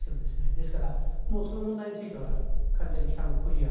ですからもうその問題については完全に北もクリア。